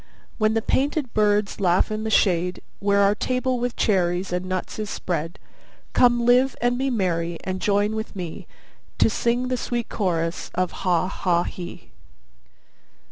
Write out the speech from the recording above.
When the painted birds laugh in the shade, Where our table with cherries and nuts is spread: Come live, and be merry, and join with me, To sing the sweet chorus of 'Ha ha he!